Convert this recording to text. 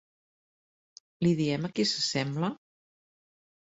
Li diem a qui s'assembla?